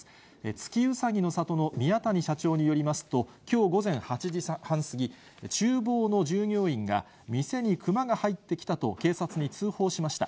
月うさぎの里の宮谷社長によりますと、きょう午前８時半過ぎ、ちゅう房の従業員が、店にクマが入ってきたと警察に通報しました。